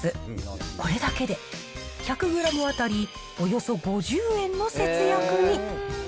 これだけで１００グラム当たりおよそ５０円の節約に。